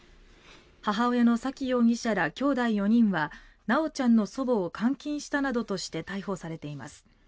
母親の沙喜容疑者らきょうだい４人は修ちゃんの祖母を監禁したなどとして逮捕されています。